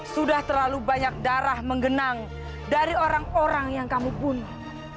sudah terlalu banyak darah menggenang dari orang orang yang kamu bunuh